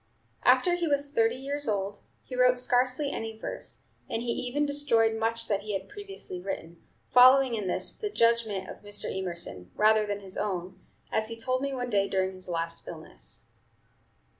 After he was thirty years old, he wrote scarcely any verse, and he even destroyed much that he had previously written, following in this the judgment of Mr. Emerson, rather than his own, as he told me one day during his last illness.